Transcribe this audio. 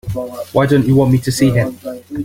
Why don't you want me to see him?